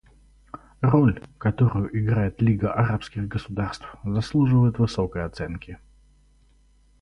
Роль, которую играет Лига арабских государств, заслуживает высокой оценки.